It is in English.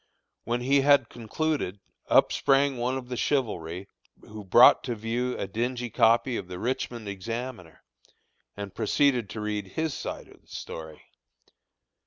When he had concluded, up sprang one of the chivalry, who brought to view a dingy copy of the Richmond Examiner, and proceeded to read his side of the story.